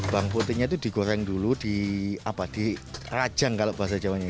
bang putihnya itu digoreng dulu di apa di rajang kalau bahasa jawa nya